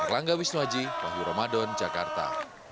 erlangga wisnuaji wahyu ramadan jakarta